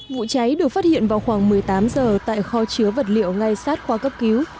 vụ cháy được phát hiện vào khoảng một mươi tám giờ tại kho chứa vật liệu ngay sát khoa cấp cứu